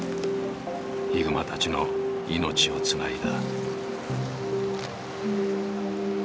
ヒグマたちの命をつないだ。